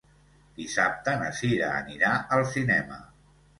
Dissabte na Sira anirà al cinema.